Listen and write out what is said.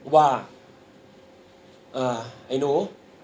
ว่าไอ้หนู